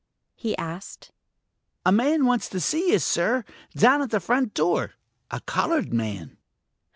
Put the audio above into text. "What is it?" he asked. "A man wants to see you, sir, down at the front door. A colored man...."